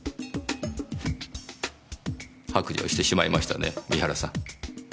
白状してしまいましたね三原さん。